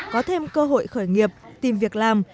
có thêm cơ hội khởi nghiệp tìm việc làm